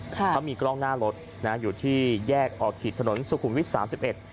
เขามีกล้องหน้ารถนะอยู่ที่แยกออกขีดถนนสุขุมวิทย์สามสิบเอ็ด